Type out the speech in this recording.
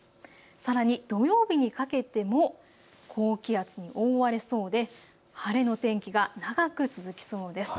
さらに土曜日にかけても高気圧に覆われそうで晴れの天気が長く続きそうです。